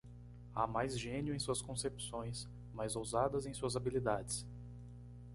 Há mais gênio em suas concepções, mais ousadas em suas habilidades.